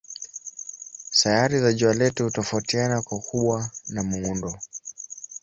Sayari za jua letu hutofautiana kwa ukubwa na muundo.